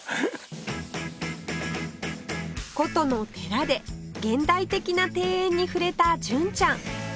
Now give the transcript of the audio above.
古都の寺で現代的な庭園に触れた純ちゃん